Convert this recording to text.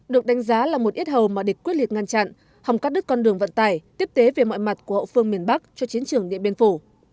được đánh giá là một ít hầu mà địch quyết liệt ngăn chặn hòng cắt đứt con đường vận tải tiếp tế về mọi mặt của hậu phương miền bắc cho chiến trường điện biên phủ